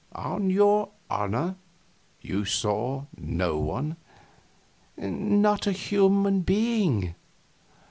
On your honor you saw no one?" "Not a human being."